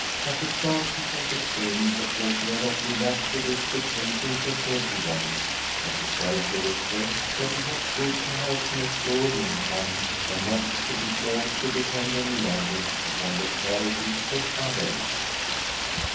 At the start he felt ashamed because he had not lived up to the expectations of every one, but he felt, also, that it was good to have an assured income and not be forced to depend any longer upon the charity of others.